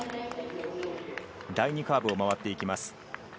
第２カーブを回っていきます。